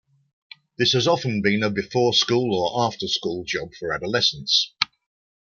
This has often been a before-school or after-school job for adolescents.